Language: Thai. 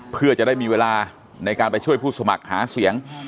เพื่อจะได้มีเวลาในการไปช่วยผู้สมัครหาเสียง